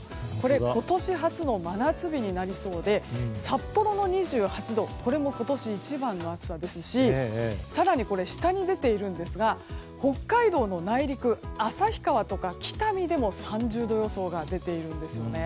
今年初の真夏日になりそうで札幌も２８度でこれも今年一番の暑さですし更に下に出ているんですが北海道の内陸旭川とか北見でも３０度予想が出ています。